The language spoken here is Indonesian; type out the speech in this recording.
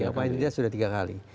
apa yang tidak sudah tiga kali